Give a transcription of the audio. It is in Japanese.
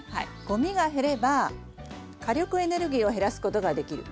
ごみが減れば火力エネルギーを減らすことができる。